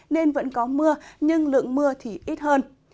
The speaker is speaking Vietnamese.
nên vẫn có mưa nhưng lượng mưa thì ít hơn